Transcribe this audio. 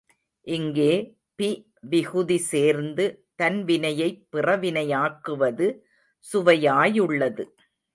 இங்கே பி விகுதி சேர்ந்து தன்வினையைப் பிறவினையாக்குவது சுவையாயுள்ளது.